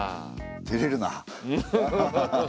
てれるな。